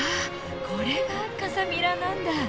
これがカサ・ミラなんだ。